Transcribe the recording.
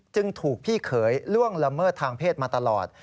จึงถูกพี่เขยล่วงละเมิดทางเพศมาตลอด